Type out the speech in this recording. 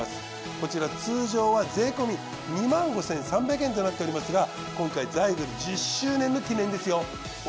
こちら通常は税込２５，３００円となっておりますが今回ザイグル１０周年の記念ですよ。